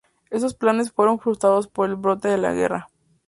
Estos planes fueron frustrados por el brote de la guerra.